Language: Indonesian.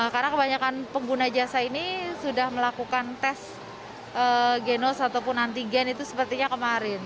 karena kebanyakan pengguna jasa ini sudah melakukan tes genus ataupun antigen itu sepertinya kemarin